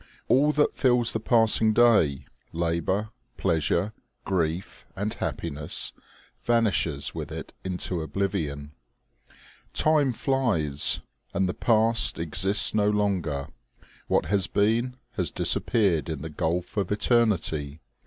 All that fills the passing day labor, pleasure, grief and happiness vanishes with it into oblivion. Time flies, and the past exists no longer ; what has been, has disappeared in the gulf of eternity.